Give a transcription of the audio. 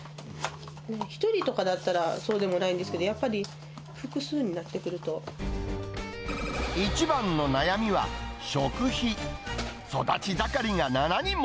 １人とかだったらそうでもないんですけど、やっぱり複数になって一番の悩みは食費。